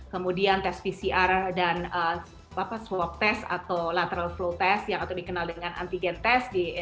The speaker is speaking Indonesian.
kemudian tes pcr dan swab test atau lateral flow test yang atau dikenal dengan antigen test